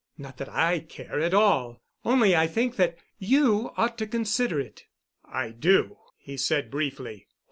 Not that I care at all. Only I think that you ought to consider it." "I do," he said briefly.